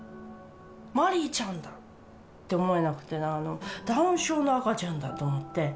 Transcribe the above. まりいちゃんだって思えなくて、ダウン症の赤ちゃんだと思って。